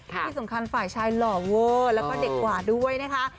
ที่สำคัญฝ่ายชายหล่อเวอร์แล้วก็เด็กกว่าด้วยนะคะ